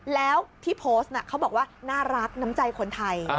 แล้วที่โพสต์เขาบอกว่าน่ารักน้ำใจคนไทย